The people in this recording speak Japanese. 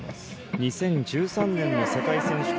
２０１３年の世界選手権。